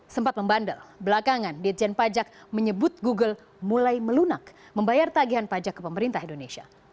sempat membandel belakangan ditjen pajak menyebut google mulai melunak membayar tagihan pajak ke pemerintah indonesia